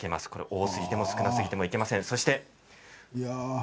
多すぎても少なすぎてもいけません。